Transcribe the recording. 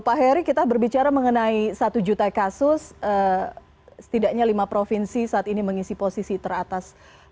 pak heri kita berbicara mengenai satu juta kasus setidaknya lima provinsi saat ini mengisi posisi teratas